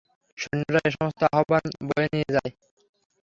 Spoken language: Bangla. সৈন্যরা এ সমস্ত আহবান বয়ে নিয়ে যায়।